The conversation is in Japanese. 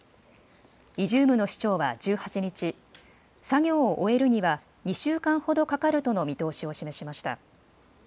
イジュームの市長は１８日、作業を終えるには、２週間ほどかかるとの見通しを示しました。